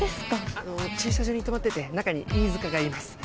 あの駐車場に停まってて中に飯塚がいます。